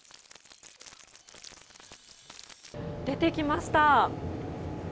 出てきました。